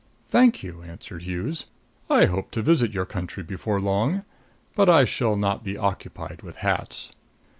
"Thank you," answered Hughes. "I hope to visit your country before long; but I shall not be occupied with hats.